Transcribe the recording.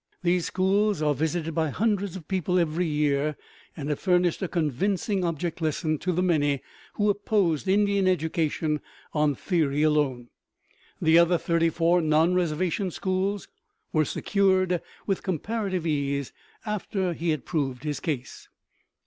These schools are visited by hundreds of people every year, and have furnished a convincing object lesson to the many who opposed Indian education on theory alone. The other thirty four non reservation schools were secured with comparative ease after he had proved his case.